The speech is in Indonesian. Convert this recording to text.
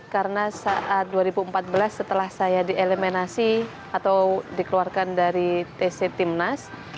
karena saat dua ribu empat belas setelah saya dielemenasi atau dikeluarkan dari tc timnas